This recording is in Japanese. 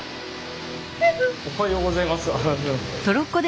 おはようございます。